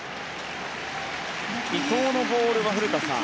伊藤のボールは古田さん